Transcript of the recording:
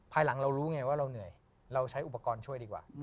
ภายหลังเรารู้ไงว่าเราเหนื่อยเราใช้อุปกรณ์ช่วยดีกว่า